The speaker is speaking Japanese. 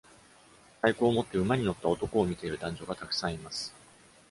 太鼓を持って馬に乗った男を見ている男女がたくさんいます。